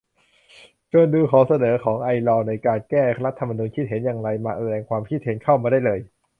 ชวนดูข้อเสนอของไอลอว์ ในการ แก้รัฐธรรมนูญ คิดเห็นยังไง แสดงความคิดเห็นเข้ามาได้เลย